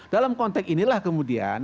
dalam konteks inilah kemudian